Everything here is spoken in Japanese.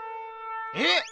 えっ！